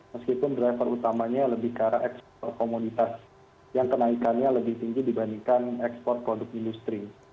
meskipun driver utamanya lebih ke arah ekspor komoditas yang kenaikannya lebih tinggi dibandingkan ekspor produk industri